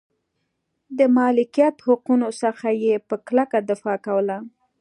د مالکیت حقونو څخه یې په کلکه دفاع کوله.